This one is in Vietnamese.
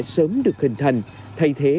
sớm được hình thành thay thế